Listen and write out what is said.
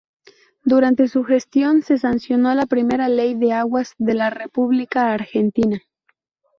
Durante su gestión se sancionó la primera Ley de Aguas de la República Argentina.